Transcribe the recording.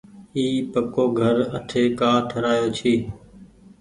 اي پڪوگهر آٺي ڪآ ٺرآيو ڇي۔